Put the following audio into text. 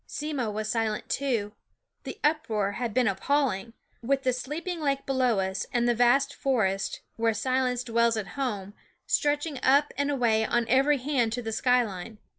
Simmo was silent too ; the uproar had been appalling, with the sleeping lake below us, and the vast forest, where silence dwells at home, stretching up and away on every hand to the sky line.